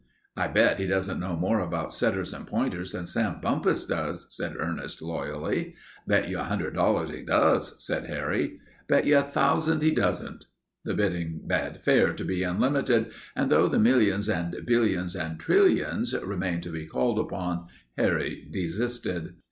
"I bet he doesn't know more about setters and pointers than Sam Bumpus does," said Ernest, loyally. "Bet you a hundred dollars he does," said Harry. "Bet you a thousand he doesn't." The bidding bade fair to be unlimited, and though the millions and billions and trillions remained to be called upon, Harry desisted.